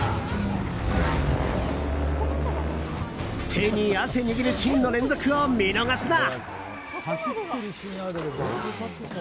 手に汗握るシーンの連続を見逃すな！